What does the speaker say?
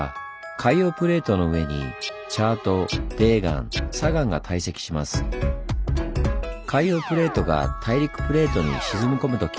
海洋プレートが大陸プレートに沈み込むとき